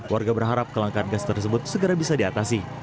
warga berharap kelangkaan gas tersebut segera bisa diatasi